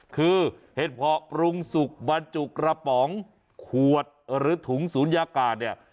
คือเห็ดเพาะปรุงสุกบรรจุกระป๋องขวดหรือถุงศูนยากาศเนี่ย